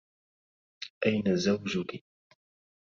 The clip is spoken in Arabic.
أين زوجكِ؟